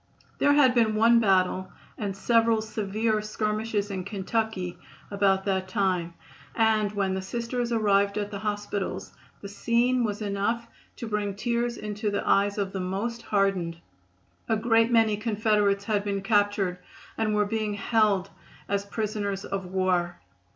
There had been one battle and several severe skirmishes in Kentucky about that time, and when the Sisters arrived at the hospitals the scene was enough to bring tears into the eyes of the most hardened. A great many Confederates had been captured and were being held as prisoners of war.